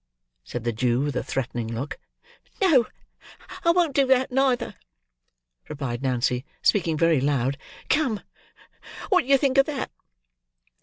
said the Jew, with a threatening look. "No, I won't do that, neither," replied Nancy, speaking very loud. "Come! What do you think of that?"